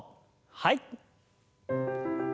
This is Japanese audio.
はい。